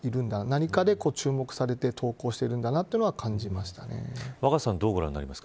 何かで注目されて投稿しているんだなというのを若狭さん